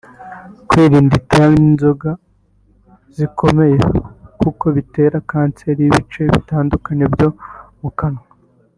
Kwirinda itabi n’inzoga zikomeye kuko bitera kanseri y’ibice bitandukanye byo mu kanwa